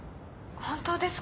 本当ですか？